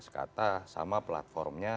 kata sama platformnya